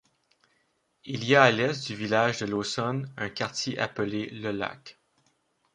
Il y a à l'est du village de Laussonne un quartier appelé Le Lac.